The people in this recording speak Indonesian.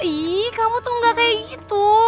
iiih kamu tuh enggak kayak gitu